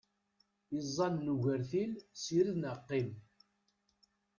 Iẓẓan n ugertil, sired neɣ qqim!